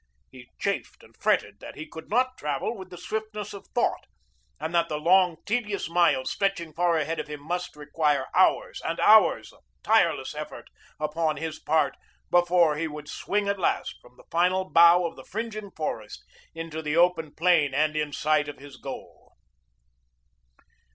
He chafed and fretted that he could not travel with the swiftness of thought and that the long tedious miles stretching far ahead of him must require hours and hours of tireless effort upon his part before he would swing at last from the final bough of the fringing forest into the open plain and in sight of his goal.